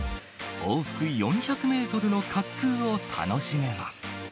往復４００メートルの滑空を楽しめます。